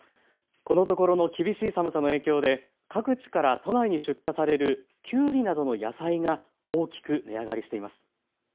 このところの厳しい寒さの影響で各地から都内に出荷されるきゅうりなどの野菜が大きく値上がりしています。